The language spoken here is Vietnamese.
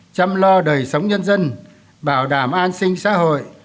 chăm lo đời sống nhân dân bảo đảm an sinh xã hội